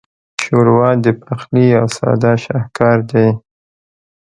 ښوروا د پخلي یو ساده شاهکار دی.